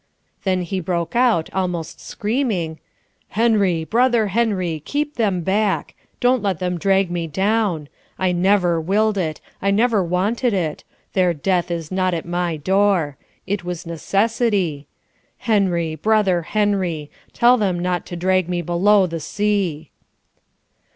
Then he broke out, almost screaming "Henry, brother Henry, keep them back! Don't let them drag me down. I never willed it. I never wanted it. Their death is not at my door. It was necessity. Henry! Brother Henry! Tell them not to drag me below the sea!"